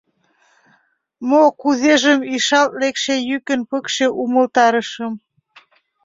Мо-кузежым ишалт лекше йӱкын пыкше умылтарышым.